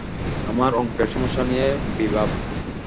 আমার অঙ্কের সমস্যা নিয়ে ভািবব।